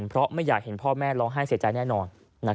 เพราะไม่อยากเห็นพ่อแม่ร้องไห้เสียใจแน่นอน